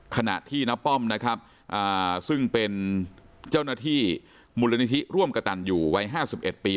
ขณะที่น้าป้อมนะครับซึ่งเป็นเจ้าหน้าที่มูลนิธิร่วมกระตันอยู่วัย๕๑ปี